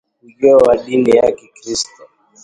Ujio wa dini ya Kikristo